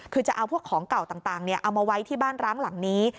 คือจะเอาพวกของเก่าต่างเอามาไว้ที่บ้านร้างหลังนี้